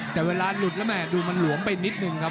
แต่เวลาหลุดแล้วแม่ดูมันหลวมไปนิดนึงครับ